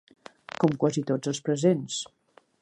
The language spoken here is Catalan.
Com quasi tots els presents